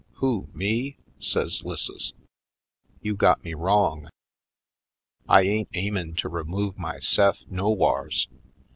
"Who, me?" says 'Lisses. "You got me wrong! I ain't aimin' to remove myse'f no whars.